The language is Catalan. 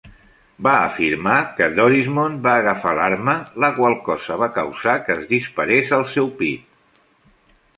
Va afirmar que Dorismond va agafar l'arma, la qual cosa va causar que es disparés al seu pit.